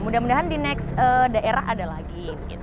mudah mudahan di next daerah ada lagi